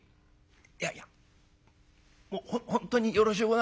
「いやいやもう本当によろしゅうございます。